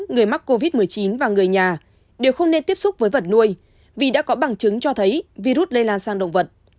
người mắc covid một mươi chín và người nhà đều không nên tiếp xúc với vật nuôi vì đã có bằng chứng cho thấy virus lây lan sang động vật